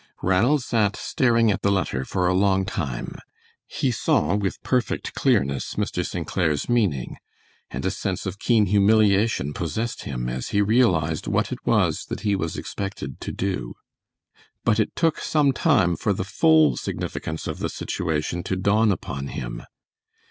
Ranald sat staring at the letter for a long time. He saw with perfect clearness Mr. St. Clair's meaning, and a sense of keen humiliation possessed him as he realized what it was that he was expected to do. But it took some time for the full significance of the situation to dawn upon him.